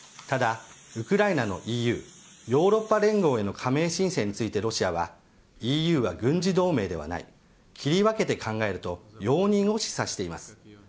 ただ、ウクライナのＥＵヨーロッパ連合への加盟申請について、ロシアはＥＵは軍事同盟ではない切り分けて考えると容認を示唆しています。